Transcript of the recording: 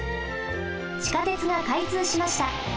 地下鉄がかいつうしました。